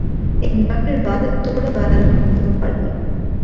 என் மகள் வாரத்தோட வாரம் முழுகுவாள்?